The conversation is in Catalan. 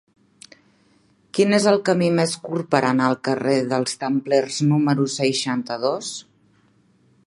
Quin és el camí més curt per anar al carrer dels Templers número seixanta-dos?